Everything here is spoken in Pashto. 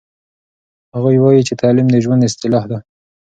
هغوی وایي چې تعلیم د ژوند اصلاح کوي.